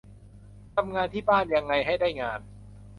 ทำงานที่บ้านยังไงให้ได้งาน